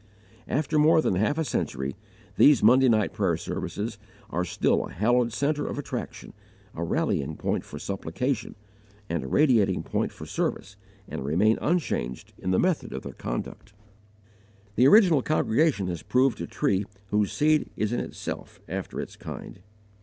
After more than half a century these Monday night prayer services are still a hallowed centre of attraction, a rallying point for supplication, and a radiating point for service, and remain unchanged in the method of their conduct. The original congregation has proved a tree whose seed is in itself after its kind.